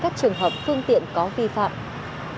phương tiện có vi phạm